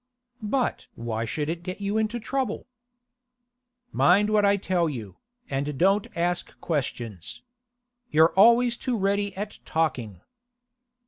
'But why should it get you into trouble?' 'Mind what I tell you, and don't ask questions. You're always too ready at talking.